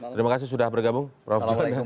terima kasih sudah bergabung prof johannel